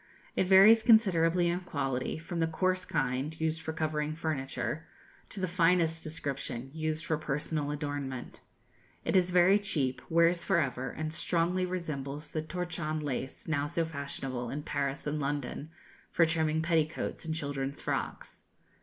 It varies considerably in quality, from the coarse kind, used for covering furniture, to the finest description, used for personal adornment It is very cheap, wears for ever, and strongly resembles the torchon lace, now so fashionable in Paris and London for trimming petticoats and children's frocks.